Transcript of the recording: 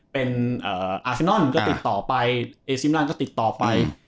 เป็นอาเซนอลก็ติดต่อไปเอซิแม่ร่าติดต่อไป